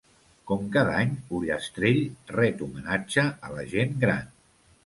Com cada any Ullastrell ret homenatge a la Gent Gran.